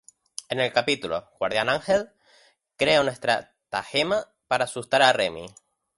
En el capítulo "Guardian Angels", crea una estratagema para asustar a Remy.